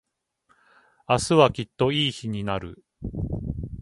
明日はきっといい日になる。